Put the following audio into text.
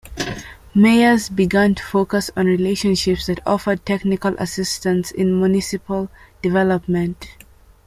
Mayors began to focus on relationships that offered technical assistance in municipal development.